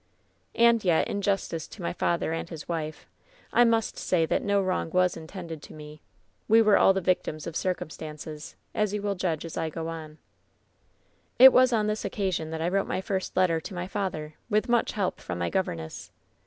"And yet, in justice to my father and his wife, I must say that no wrong was intended me. W© were all the victims of circumstances, as you will judge as I go on. "It was on this occasion that I wrote my first letter to my father, with much help from my governess.